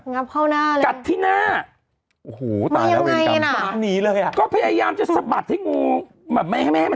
งับเข้าหน้าเลย